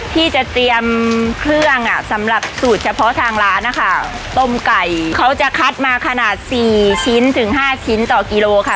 ที่จะเตรียมเครื่องอ่ะสำหรับสูตรเฉพาะทางร้านนะคะต้มไก่เขาจะคัดมาขนาดสี่ชิ้นถึงห้าชิ้นต่อกิโลค่ะ